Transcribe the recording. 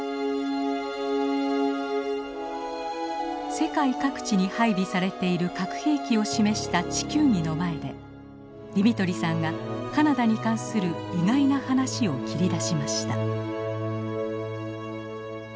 世界各地に配備されている核兵器を示した地球儀の前でディミトリさんがカナダに関する意外な話を切り出しました。